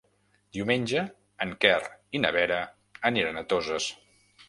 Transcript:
Diumenge en Quer i na Vera aniran a Toses.